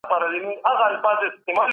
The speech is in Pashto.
د توليد کچه نشي کولای تل ثابته پاته سي.